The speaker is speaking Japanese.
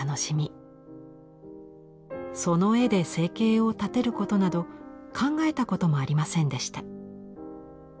その絵で生計を立てることなど考えたこともありませんでした。